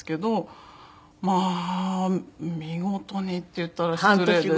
まあ見事にって言ったら失礼ですけど。